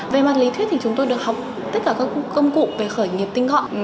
về mặt lý thuyết thì chúng tôi được học tất cả các công cụ về khởi nghiệp tinh gọn